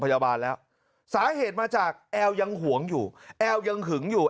พยาบาลแล้วสาเหตุมาจากแอลยังหวงอยู่แอลยังหึงอยู่